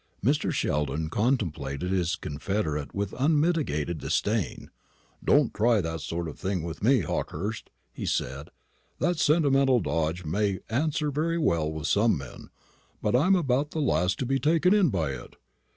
Mr. Sheldon contemplated his confederate with unmitigated disdain. "Don't try that sort of thing with me, Hawkehurst," he said; "that sentimental dodge may answer very well with some men, but I'm about the last to be taken in by it.